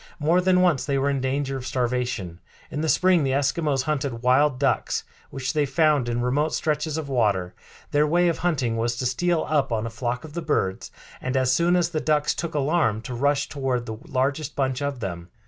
More than once they were in danger of starvation. In the spring the Eskimos hunted wild ducks, which they found in remote stretches of water. Their way of hunting was to steal up on a flock of the birds, and, as soon as the ducks took alarm, to rush toward the largest bunch of them.